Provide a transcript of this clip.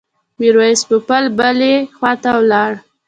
میرویس پوپل بلې خواته ولاړ.